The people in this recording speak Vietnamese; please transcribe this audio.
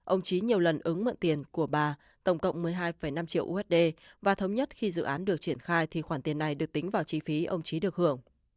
ông trí nhiều lần ứng mượn tiền của bà tổng cộng một mươi hai năm triệu usd và thống nhất khi dự án được triển khai thì khoản tiền này được tính vào chi phí ông trí được hưởng